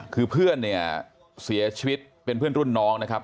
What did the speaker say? คือเพื่อนเสียชีวิตเป็นเพื่อนรุ่นน้อง